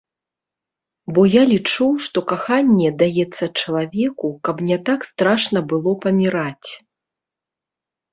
Бо я лічу, што каханне даецца чалавеку, каб не так страшна было паміраць.